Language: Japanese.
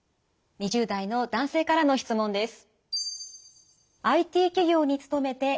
２０代の男性からの質問です。